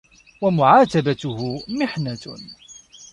وَمُعَاتَبَتُهُ مِحْنَةٌ